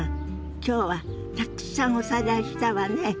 今日はたくさんおさらいしたわね。